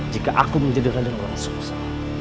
jika aku menjadi raden walang susu